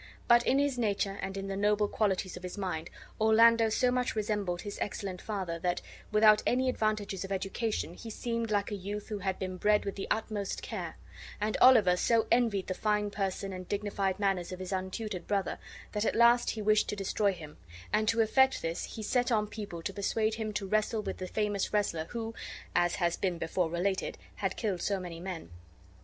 But in his nature and in the noble qualities of his mind Orlando so much resembled his excellent father that, without any advantages of education, he seemed like a youth who had been bred with the utmost care; and Oliver so envied the fine person and dignified manners of his untutored brother that at last he wished to destroy him, and to effect this be set on people to persuade him to wrestle with the famous wrestler who, as has been before related, had killed so many men.